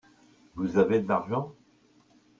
Vous avez de l'argent ?